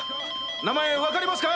名前分かりますか？